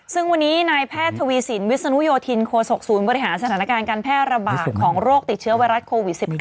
ซึ่งวันนี้นายแพทย์ทวีสินวิศนุโยธินโคศกศูนย์บริหารสถานการณ์การแพร่ระบาดของโรคติดเชื้อไวรัสโควิด๑๙